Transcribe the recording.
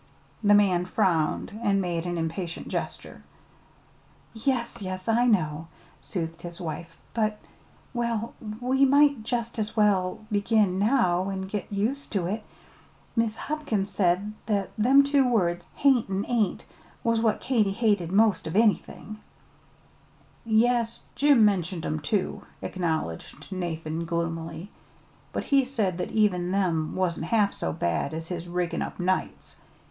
'" The man frowned, and made an impatient gesture. "Yes, yes, I know," soothed his wife; "but, well, we might jest as well begin now an' git used to it. Mis' Hopkins said that them two words, 'hain't an' 'ain't, was what Katy hated most of anythin'." "Yes; Jim mentioned 'em, too," acknowledged Nathan gloomily. "But he said that even them wan't half so bad as his riggin' up nights.